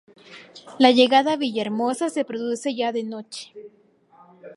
La llegada a Villahermosa se produce ya de noche.